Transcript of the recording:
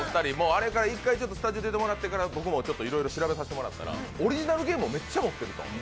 あれから一回スタジオ出てもらってから、僕もいろいろ調べさせてもらったらオリジナルゲームをめっちゃ持ってると。